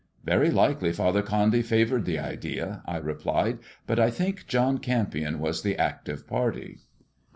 " Very likely Father Condy favoured the idea," I replied; " but I think John Kempion was the active party."